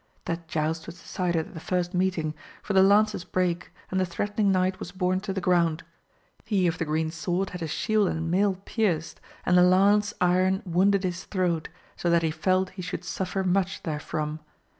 That joust was decided at the first meeting, for the lances brake, and the threatening knight was borne to the ground ; he of the green sword had his shield and mail pierced, and the lance iron wounded his throat, so that he felt he should suffer much therefrom.